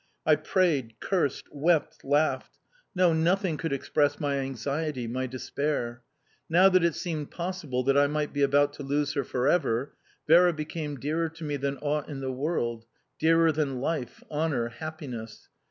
I prayed, cursed, wept, laughed... No, nothing could express my anxiety, my despair!... Now that it seemed possible that I might be about to lose her for ever, Vera became dearer to me than aught in the world dearer than life, honour, happiness!